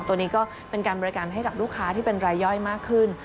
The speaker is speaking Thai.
ตัวนี้ก็เป็นการบริการให้กับลูกค้าที่เป็นรายย่อยมากขึ้น